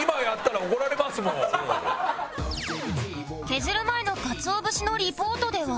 削る前の鰹節のリポートでは